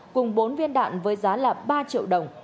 cùng bốn viên đạn với giá là ba triệu đồng